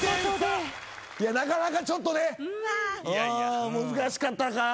なかなかちょっとねうん難しかったか。